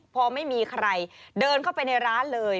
พอไม่มีใครเดินเข้าไปในร้านเลย